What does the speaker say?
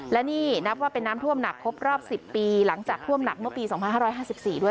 และนี่นับว่าเป็นน้ำท่วมหนักครบรอบสิบปีหลังจากท่วมหนักเมื่อปีสองพันห้าร้อยห้าสิบสี่ด้วย